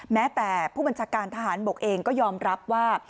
แม้แต่ผู้บัญชาการทหารบกเองก็ยอมรับว่า